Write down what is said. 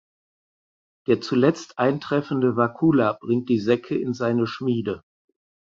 Der zuletzt eintreffende Wakula bringt die Säcke in seine Schmiede.